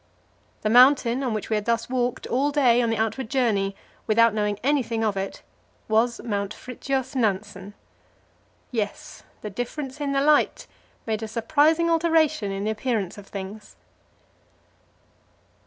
The mountain, on which we had thus walked all day on the outward journey, without knowing anything of it, was Mount Fridtjof Nansen. Yes, the difference in the light made a surprising alteration in the appearance of things.